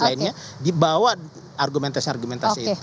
lainnya dibawa argumentasi argumentasi itu